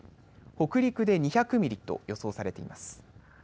北陸で２００ミリと予想されています。